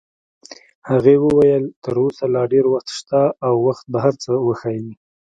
هغې وویل: تر اوسه لا ډېر وخت شته او وخت به هر څه وښایي.